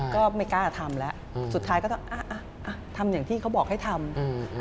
ก็ไม่กล้าทำแล้วสุดท้ายก็ต้องอ่ะอ่ะทำอย่างที่เขาบอกให้ทำ